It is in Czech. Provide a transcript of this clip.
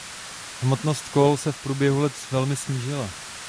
Hmotnost kol se v průběhu let velmi snížila.